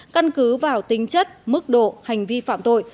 căn cứ vào tính chất mức độ hành vi phạm tội